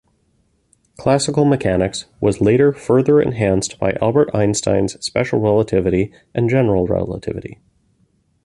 Classical mechanics was later further enhanced by Albert Einstein's special relativity and general relativity.